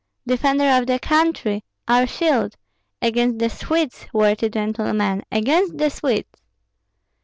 "Defender of the country! Our shield! Against the Swedes, worthy gentlemen, against the Swedes!"